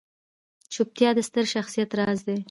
چوپتیا، د ستر شخصیت راز دی.